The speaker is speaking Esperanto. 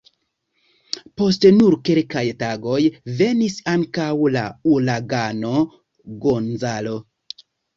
Post nur kelkaj tagoj venis ankaŭ la Uragano Gonzalo.